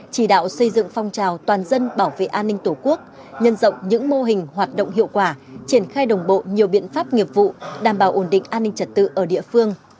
chỉ đạo xây dựng phong trào toàn dân bảo vệ an ninh tổ quốc nhân rộng những mô hình hoạt động hiệu quả triển khai đồng bộ nhiều biện pháp nghiệp vụ đảm bảo ổn định an ninh trật tự ở địa phương